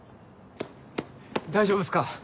・大丈夫っすか？